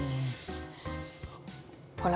ほら。